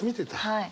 はい。